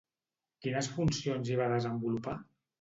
Quines funcions hi va desenvolupar?